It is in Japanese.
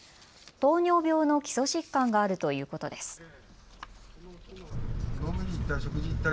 糖尿病の基礎疾患があるということです。